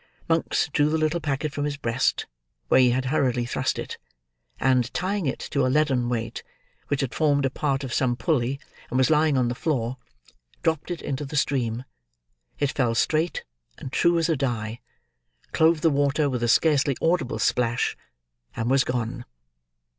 Monks drew the little packet from his breast, where he had hurriedly thrust it; and tying it to a leaden weight, which had formed a part of some pulley, and was lying on the floor, dropped it into the stream. It fell straight, and true as a die; clove the water with a scarcely audible splash; and was gone.